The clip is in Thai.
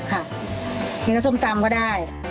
เลยหรือส้มตำก็ได้